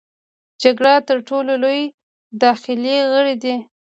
جګر تر ټولو لوی داخلي غړی دی.